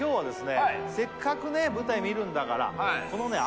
せっかくね舞台見るんだからこのね